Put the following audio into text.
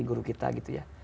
guru kita gitu ya